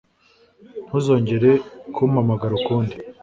ntuzongere kumpamagara ukundi